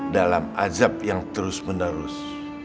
dalam azab yang terus menerus